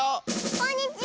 「こんにちは！」